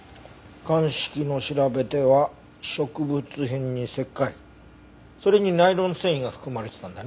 鑑識の調べでは植物片に石灰それにナイロン繊維が含まれてたんだね。